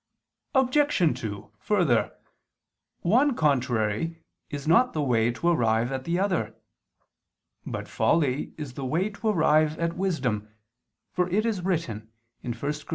Obj. 2: Further, one contrary is not the way to arrive at the other. But folly is the way to arrive at wisdom, for it is written (1 Cor.